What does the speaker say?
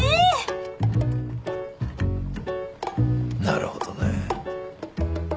なるほどね。